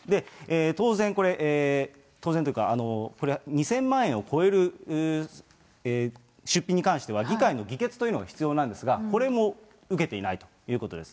当然これ、当然というか、これ２０００万円を超える出費に関しては議会の議決というのが必要なんですが、これも受けていないということです。